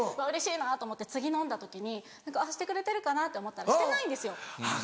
うれしいなと思って次飲んだ時にしてくれてるかなって思ったらしてないんですよ。